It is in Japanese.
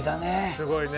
すごいね。